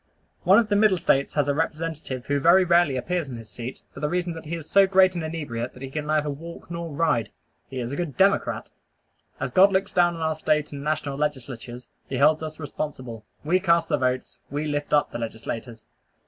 One of the Middle States has a representative who very rarely appears in his seat, for the reason that he is so great an inebriate that he can neither walk nor ride. He is a good Democrat. As God looks down on our State and national legislatures, he holds us responsible. We cast the votes. We lift up the legislators.